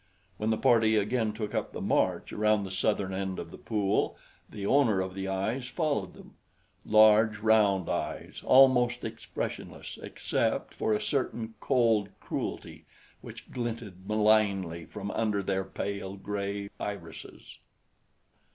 When the party again took up the march around the southern end of the pool the owner of the eyes followed them large, round eyes, almost expressionless except for a certain cold cruelty which glinted malignly from under their pale gray irises.